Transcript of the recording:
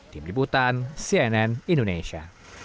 tim liputan cnn indonesia